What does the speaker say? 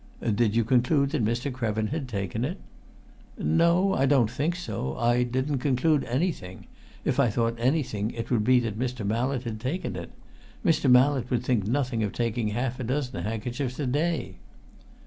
"Did you conclude that Mr. Krevin had taken it?" "No, I don't think so. I didn't conclude anything. If I thought anything, it would be that Mr. Mallett had taken it. Mr. Mallett would think nothing of taking half a dozen handkerchiefs a day."